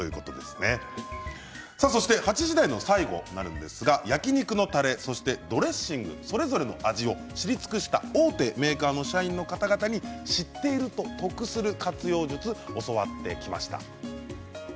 ８時台の最後で焼き肉のたれそしてドレッシングそれぞれの味を知り尽くした大手メーカーの社員の方々に知っていると得する活用術を教わってきました。